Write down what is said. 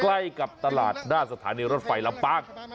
ใกล้กับตลาดหน้าสถานีรถไฟลำปาง